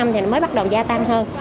thì mới bắt đầu gia tăng hơn